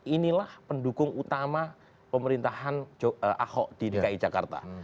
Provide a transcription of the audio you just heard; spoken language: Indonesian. inilah pendukung utama pemerintahan ahok di dki jakarta